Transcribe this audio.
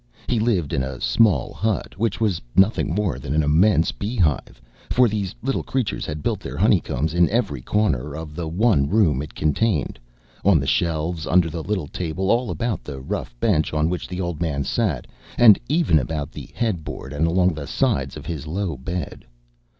He lived in a small hut, which was nothing more than an immense bee hive, for these little creatures had built their honeycombs in every corner of the one room it contained, on the shelves, under the little table, all about the rough bench on which the old man sat, and even about the head board and along the sides of his low bed.